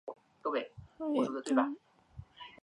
他也担任过英国农业大臣。